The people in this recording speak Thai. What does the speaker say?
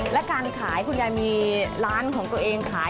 และการขายคุณยายมีร้านของตัวเองขาย